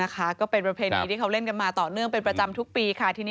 ก็เป็นประเพณีที่เขาเล่นกันมาต่อเนื่องเป็นประจำทุกปีค่ะ